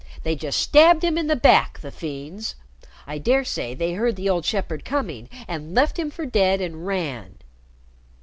They just stabbed him in the back, the fiends! I dare say they heard the old shepherd coming, and left him for dead and ran."